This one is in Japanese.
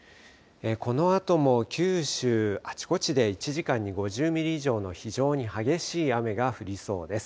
このあとも九州あちこちで１時間に５０ミリ以上の非常に激しい雨が降りそうです。